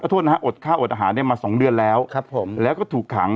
โทษนะฮะอดข้าวอดอาหารเนี่ยมาสองเดือนแล้วครับผมแล้วก็ถูกขัง